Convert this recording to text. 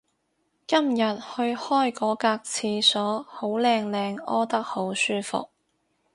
今日去開嗰格廁所好靚靚屙得好舒服